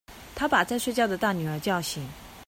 她把在睡覺的大女兒叫醒